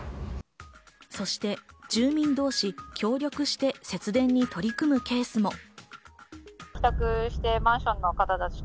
そして住民同士、協力して節電に取り組むケースも。